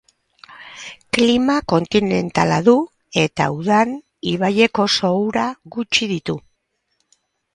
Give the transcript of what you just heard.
Klima kontinentala du eta udan ibaiek oso ura gutxi ditu.